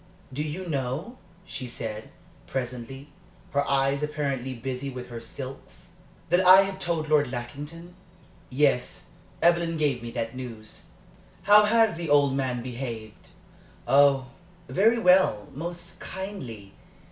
"Do you know," she said, presently, her eyes apparently busy with her silks, "that I have told Lord Lackington?" "Yes. Evelyn gave me that news. How has the old man behaved?" "Oh, very well most kindly.